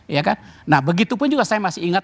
ya kan nah begitu pun juga saya masih ingat